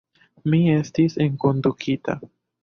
Mi estis enkondukita.